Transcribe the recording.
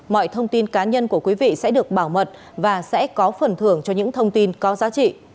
mọi thông tin cá nhân của quý vị sẽ được bảo mật và sẽ có phần thưởng cho những thông tin có giá trị